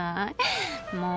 もう。